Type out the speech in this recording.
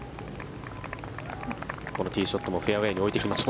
このティーショットもフェアウェーに置いてきました。